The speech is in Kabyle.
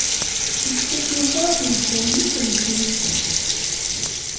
Yekkat Yuba ad yeǧǧ allen-is ldint.